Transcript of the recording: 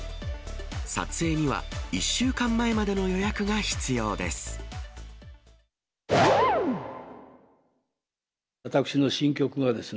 撮影には、１週間前までの予約が必要です。